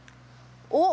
おっ！